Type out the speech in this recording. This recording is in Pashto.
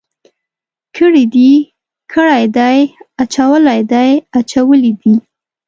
کړي دي، کړی دی، اچولی دی، اچولي دي.